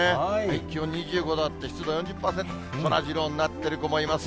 気温２５度あって、湿度４０％、そらジローになってる子もいますよ。